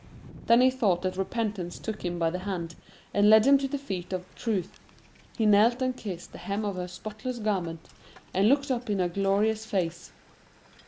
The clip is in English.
Then he thought that Repentance took him by the hand and led him to the feet of Truth. He knelt and kissed the hem of her spotless garment, and looked up in her glorious face.